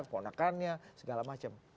keponakannya segala macam